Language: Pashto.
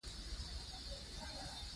پۀ ما پسې د خپل خپل وال نه غاپي